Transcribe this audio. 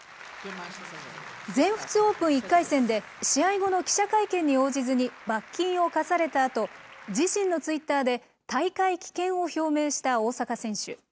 全仏オープン１回戦で、試合後の記者会見に応じずに罰金を課されたあと、自身のツイッターで、大会棄権を表明した大坂選手。